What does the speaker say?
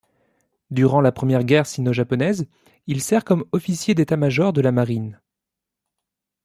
Durant la première guerre sino-japonaise, il sert comme officier d'État-major de la marine.